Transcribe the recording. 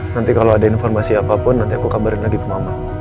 nanti kalau ada informasi apapun nanti aku kabarin lagi ke mama